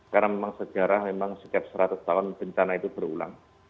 karena memang sejarah memang setiap seratus tahun bencana itu berulang